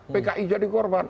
pki jadi korban